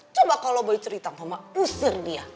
coba kalau boy ceritain sama mama usir dia